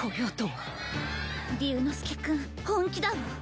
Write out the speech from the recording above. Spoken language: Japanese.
竜之介君本気だわ。